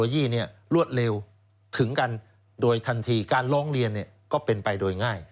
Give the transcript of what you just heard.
ตัวยี่เนี่ยรวดเร็วถึงกันโดยทันทีการล้องเรียนเนี่ยก็เป็นไปโดยง่าย